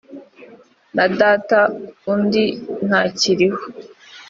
na data undi ntakiriho